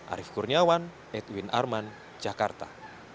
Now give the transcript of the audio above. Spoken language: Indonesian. arief kurniawan edwin arman jakarta